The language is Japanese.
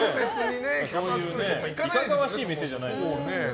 いかがわしい店じゃないので。